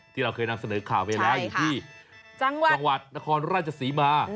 ที่เราเคยนำเสนอข่าวไปแล้วอยู่ที่จังหวัดนครราชศรีมา